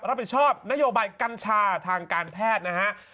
รับผิดชอบนโยบายกัญชาทางการแพทย์นะฮะ